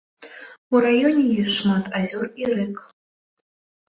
У раёне ёсць шмат азёр і рэк.